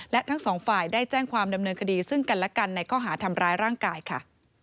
และทั้งสองฝ่ายได้แจ้งความดำเนินคดีซึ่งกันและกันในข้อหาทำร้ายร่างกายค่ะ